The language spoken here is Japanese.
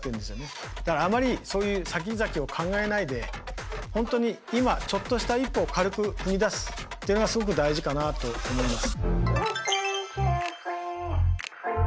だからあまりそういうさきざきを考えないで本当に今ちょっとした一歩を軽く踏み出すっていうのがすごく大事かなと思います。